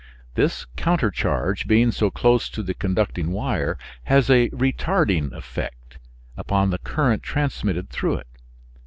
This countercharge, being so close to the conducting wire, has a retarding effect upon the current transmitted through it.